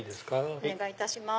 お願いいたします。